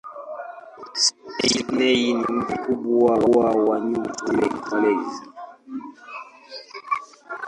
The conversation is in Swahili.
Sydney ni mji mkubwa wa New South Wales.